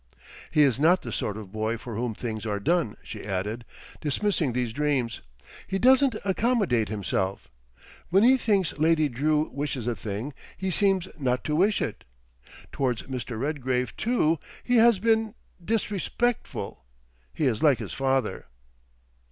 "He is not the sort of boy for whom things are done," she added, dismissing these dreams. "He doesn't accommodate himself. When he thinks Lady Drew wishes a thing, he seems not to wish it. Towards Mr. Redgrave, too, he has been—disrespectful—he is like his father."